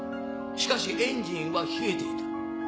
しかしエンジンは冷えていた。